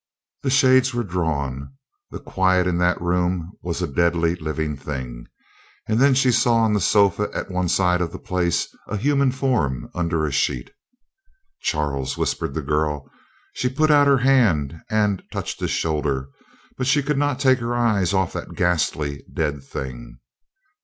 The shades were drawn. The quiet in that room was a deadly, living thing. And then she saw, on the sofa at one side of the place, a human form under a sheet. "Charles!" whispered the girl. She put out her hand and touched his shoulder, but she could not take her eyes off that ghastly dead thing.